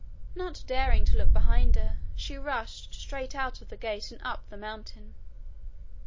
Not daring to look behind her, she rushed straight out of the gate and up the mountain.